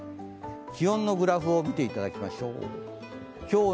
気温のグラフを見ていただきましょう。